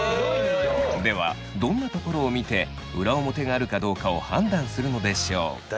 ではどんなところを見て裏表があるかどうかを判断するのでしょう。